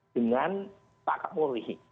dengan pak kapolri